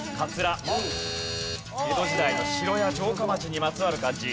江戸時代の城や城下町にまつわる漢字。